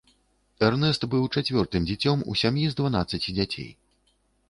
Эрнэст быў чацвёртым дзіцём у сям'і з дванаццаці дзяцей.